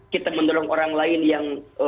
kita mendorong orang lain yang